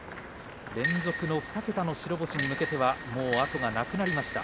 連続２桁の白星に向けては後がなくなりました。